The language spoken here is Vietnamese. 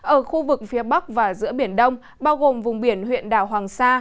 ở khu vực phía bắc và giữa biển đông bao gồm vùng biển huyện đảo hoàng sa